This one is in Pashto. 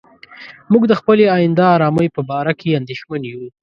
موږ د خپلې آینده آرامۍ په باره کې اندېښمن یو.